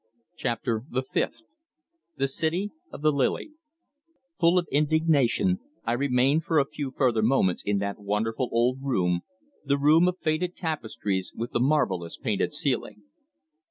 CHAPTER THE FIFTH THE CITY OF THE LILY Full of indignation I remained for a few further moments in that wonderful old room, the room of faded tapestries with the marvellous painted ceiling.